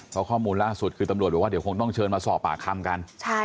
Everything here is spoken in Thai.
เพราะข้อมูลล่าสุดคือตำรวจบอกว่าเดี๋ยวคงต้องเชิญมาสอบปากคำกัน